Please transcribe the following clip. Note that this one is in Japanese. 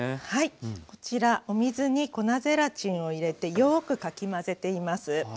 はいこちらお水に粉ゼラチンを入れてよくかき混ぜています。